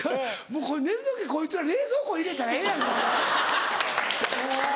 もう寝る時こいつら冷蔵庫入れたらええやんか。